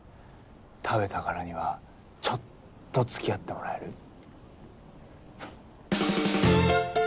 食べたからにはちょっと付き合ってもらえる？